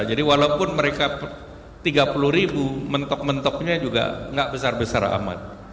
walaupun mereka tiga puluh ribu mentok mentoknya juga nggak besar besar amat